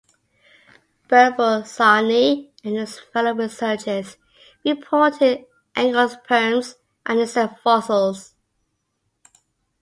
Birbal Sahni and his fellow researchers reported angiosperms and insect fossils.